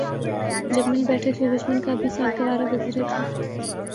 جب مل بیٹھے تو دشمن کا بھی ساتھ گوارا گزرے تھا